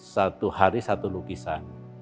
satu hari satu lukisan